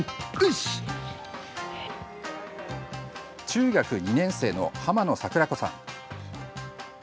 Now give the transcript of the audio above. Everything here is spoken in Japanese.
中学２年生の濱野桜子さん。